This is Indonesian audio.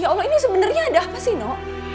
ya allah ini sebenarnya ada apa sih nok